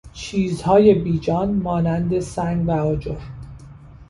چیزهای بیجان مانند سنگ و آجر